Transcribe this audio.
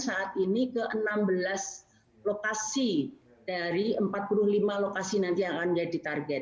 saat ini ke enam belas lokasi dari empat puluh lima lokasi nanti yang akan jadi target